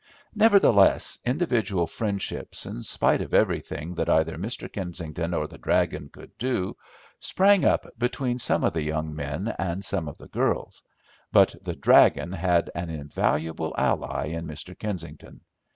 Nevertheless, individual friendships, in spite of everything that either Mr. Kensington or the "dragon" could do, sprang up between some of the young men and some of the girls, but the "dragon" had an invaluable ally in Mr. Kensington.